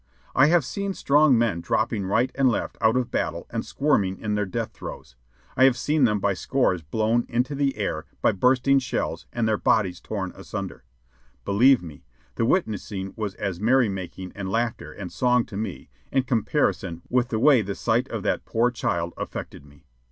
I have seen strong men dropping right and left out of battle and squirming in their death throes, I have seen them by scores blown into the air by bursting shells and their bodies torn asunder; believe me, the witnessing was as merrymaking and laughter and song to me in comparison with the way the sight of that poor child affected me.